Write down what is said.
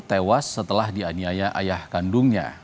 tewas setelah dianiaya ayah kandungnya